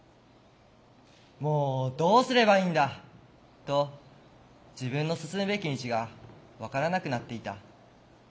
「もうどうすればいいんだ」と自分の進むべき道が分からなくなっていた。